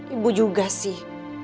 ibu juga sih